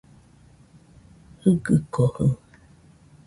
Jɨgɨkojɨ